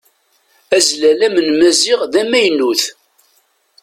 Azlalam n Maziɣ d amaynut.